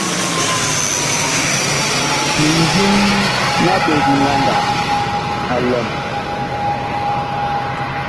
Mindim ma ɓet ngandag a lɔm.